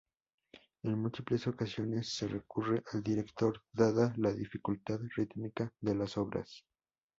En múltiples ocasiones se recurre al director dada la dificultad rítmica de las obras.